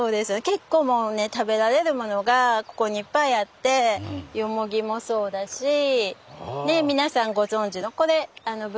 結構もうね食べられるものがここにいっぱいあってヨモギもそうだしね皆さんご存じのこれブタクサ。